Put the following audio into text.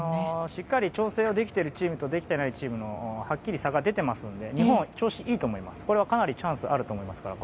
しっかり調整ができているチームとできていないチームの差がはっきり出ていますので日本は調子がいいと思いますのでチャンスがあると思います。